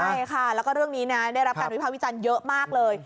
ใช่ค่ะแล้วก็เรื่องนี้นะได้รับการวิภาควิจารณ์เยอะมากเลย